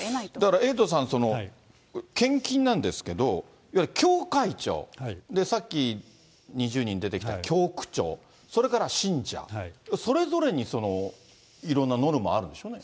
だから、エイトさん、献金なんですけど、いわゆる協会長、さっき２０人出てきた教区長、それから信者、それぞれにいろんなノルマあるんでしょうね。